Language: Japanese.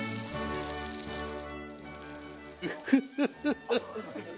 ウフフフフ。